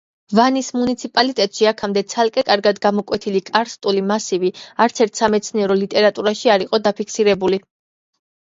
ვანის მუნიციპალიტეტში, აქამდე ცალკე კარგად გამოკვეთილი კარსტული მასივი არცერთ სამეცნიერო ლიტერატურაში არ იყო დაფიქსირებული.